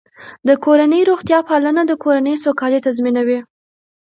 د کورنۍ روغتیا پالنه د کورنۍ سوکالي تضمینوي.